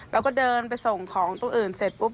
แล้วก็เดินไปส่งของตรงอื่นเสร็จปุ๊บ